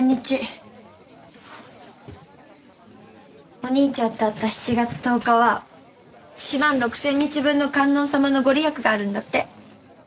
おにいちゃんと会った７月１０日は四万六千日分の観音様の御利益があるんだって。